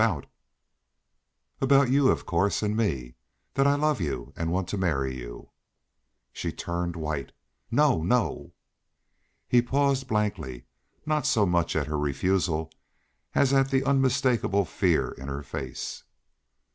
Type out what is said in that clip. "About you, of course and me that I love you and want to marry you." She turned white. "No no!" Hare paused blankly, not so much at her refusal as at the unmistakable fear in her face.